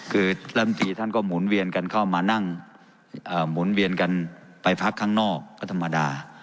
คือลำตีท่านก็หมุนเวียนกันเข้ามานั่งหมุนเวียนกันไปพักข้างนอกก็ธรรมดา